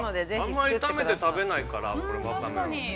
◆あんまり炒めて食べないから、ワカメ。